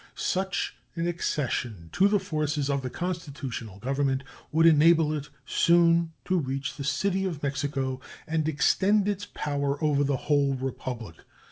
Such an accession to the forces of the constitutional Government would enable it soon to reach the City of Mexico and extend its power over the whole Republic.